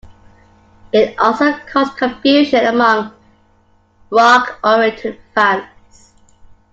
It also caused confusion among rock-oriented fans.